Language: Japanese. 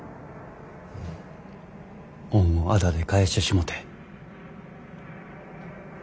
恩をあだで返してしもて。